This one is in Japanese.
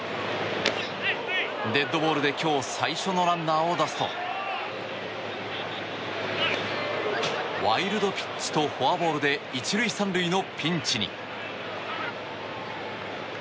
デッドボールで今日最初のランナーを出すとワイルドピッチとフォアボールで１塁３塁のピンチに。